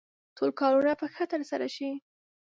ټول کارونه به ښه ترسره شي.